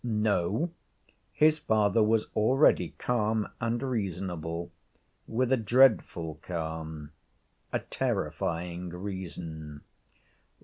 No; his father was already calm and reasonable with a dreadful calm, a terrifying reason.